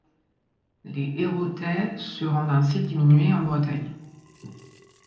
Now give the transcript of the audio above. Les Héraultais se rendent ainsi diminués en Bretagne.